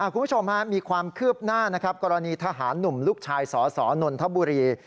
คุณผู้ชมมีความคืบหน้านะครับกรณีทหารหนุ่มลูกชายสสนนทบุรี